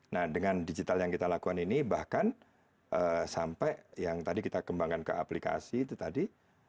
nah dengan digital yang kita lakukan ini bahkan sampai yang tadi kita kembangkan ke aplikasi itu tadi